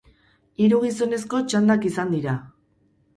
Hiru gizoneko txandak izan dira.